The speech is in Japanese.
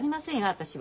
私は。